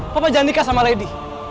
papa jangan nikah sama lady